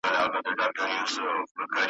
وايی وژلي مي افغانان دي `